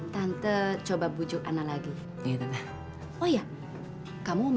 tante coba bawa other fox and me gimana nih iszi sih kata si t coordinator anand soft the adalah kau yang lebih kel llegar dar loren